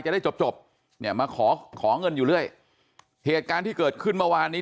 ได้จบจบเนี่ยมาขอขอเงินอยู่เรื่อยเหตุการณ์ที่เกิดขึ้นเมื่อวานนี้